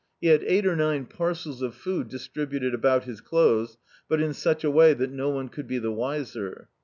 He had cig^t or nine parcels of food distributed about his clothes, but in such a way that no one could be the wiser.